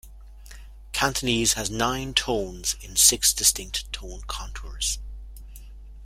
Cantonese has nine tones in six distinct tone contours.